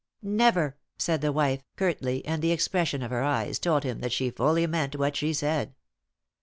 "Never!" said the wife, curtly, and the expression of her eyes told him that she fully meant what she said.